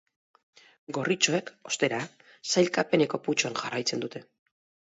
Gorritxoek, ostera, sailkapeneko putzuan jarraitzen dute.